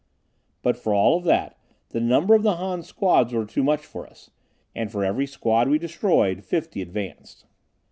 But for all of that, the number of the Han squads were too much for us. And for every squad we destroyed, fifty advanced.